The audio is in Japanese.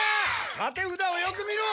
立てふだをよく見ろ！